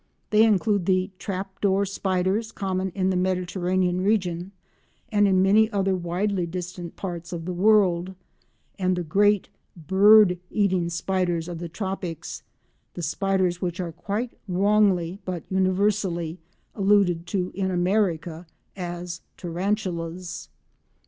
They include the "Trap door" spiders, common in the Mediterranean region and in many other widely distant parts of the world, and the great "Bird eating" spiders of the tropics—the spiders which are quite wrongly but universally alluded to in America as Tarantulas.